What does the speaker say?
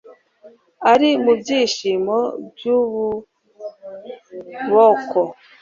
Ari mu byishimo byukuboko